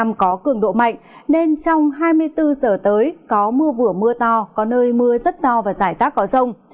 nam có cường độ mạnh nên trong hai mươi bốn giờ tới có mưa vừa mưa to có nơi mưa rất to và rải rác có rông